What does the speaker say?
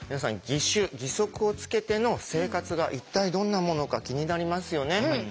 義手義足をつけての生活が一体どんなものか気になりますよね。